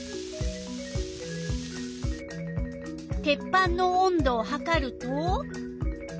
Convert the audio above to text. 鉄板の温度をはかると？